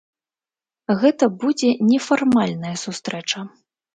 Гэта будзе нефармальная сустрэча.